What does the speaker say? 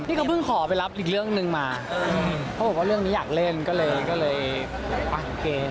นี่ก็เพิ่งขอไปรับอีกเรื่องหนึ่งมาเขาบอกว่าเรื่องนี้อยากเล่นก็เลยก็เลยอ่ะโอเค